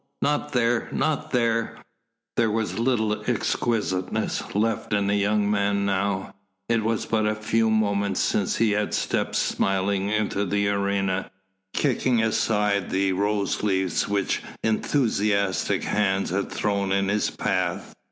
Not there! Not there!" There was little exquisiteness left in the young man now. It was but a few moments since he had stepped smiling into the arena, kicking aside the rose leaves which enthusiastic hands had thrown in his path.